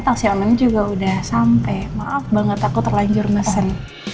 taksi online juga udah sampai maaf banget aku terlanjur mesen